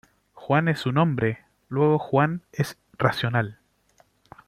Juan es un hombre, luego Juan es racional".